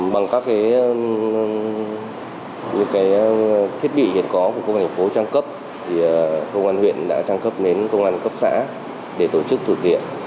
bằng các thiết bị hiện có của công an thành phố trang cấp công an huyện đã trang cấp đến công an cấp xã để tổ chức thực hiện